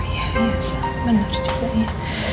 ya ya sah bener juga ya